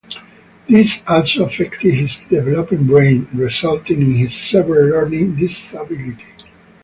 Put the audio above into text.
This also affected his developing brain, resulting in his severe learning disability.